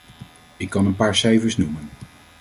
Ik kan een paar cijfers noemen.